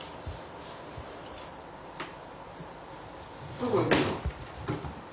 どこ行くの？